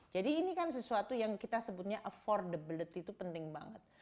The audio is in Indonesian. jadi ini kan sesuatu yang kita sebutnya affordability itu penting banget